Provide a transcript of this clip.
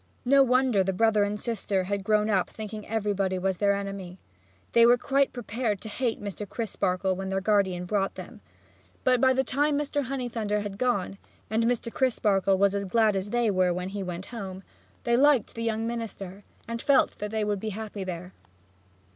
No wonder the brother and sister had grown up thinking everybody was their enemy. They were quite prepared to hate Mr. Crisparkle when their guardian brought them. But by the time Mr. Honeythunder had gone (and Mr. Crisparkle was as glad as they were when he went home) they liked the young minister and felt that they would be happy there.